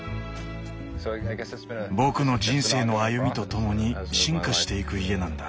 僕の人生の歩みとともに進化していく家なんだ。